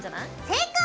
正解！